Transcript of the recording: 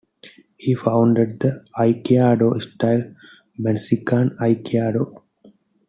He founded the aikido style Manseikan Aikido.